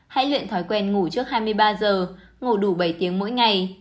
hãy luyện thói quen ngủ trước hai mươi ba giờ ngủ đủ bảy tiếng mỗi ngày